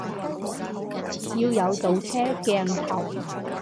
要有倒車鏡頭